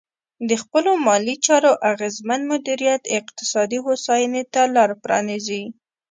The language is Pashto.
د خپلو مالي چارو اغېزمن مدیریت اقتصادي هوساینې ته لار پرانیزي.